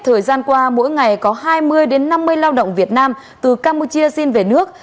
hôm qua mỗi ngày có hai mươi năm mươi lao động việt nam từ campuchia xin về nước